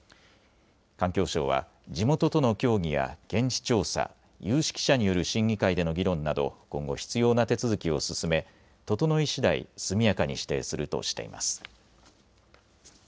環境省は地元との協議や現地調査、有識者による審議会での議論など今後、必要な手続きを進め整いしだい速やかに指定するとしています。